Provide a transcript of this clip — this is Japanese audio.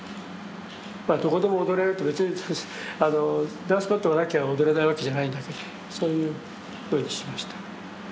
まあどこでも踊れるって別にあのダンスマットがなきゃ踊れないわけじゃないんだけどそういうふうにしました。